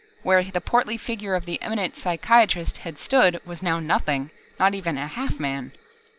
Where the portly figure of the eminent psychiatrist had stood was now nothing, not even a half man.